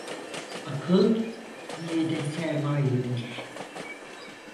Akıl yiğide sermayedir.